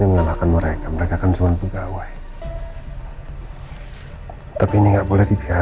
ya mungkin karena kecapean aja ya bali ma